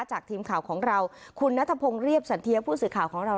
จากทีมข่าวของเราคุณนัทพงศ์เรียบสันเทียผู้สื่อข่าวของเรา